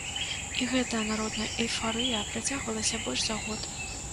І гэтая народная эйфарыя працягвалася больш за год.